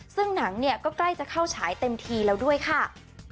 ซึ่งหนังเนี่ยก็ใกล้จะเข้าฉายเต็มทีแล้วด้วยค่ะ